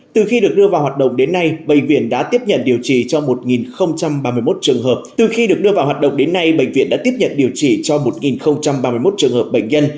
từ khi được đưa vào hoạt động đến nay bệnh viện đã tiếp nhận điều trị cho một ba mươi một trường hợp bệnh nhân